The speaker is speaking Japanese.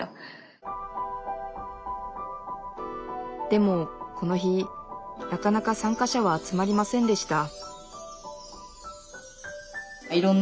でもこの日なかなか参加者は集まりませんでした